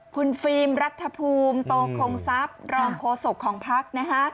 คุณฟิล์มรัฐภูมิโตคงทรัพย์รองโฆษกของพักนะฮะ